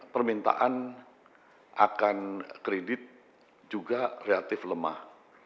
permintaan akan kredit juga relatif lemah